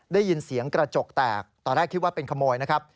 ได้ยินเสียงกระจกแตกตอนแรกคิดว่าเป็นขโมยนะครับ